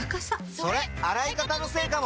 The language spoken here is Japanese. それ洗い方のせいかも！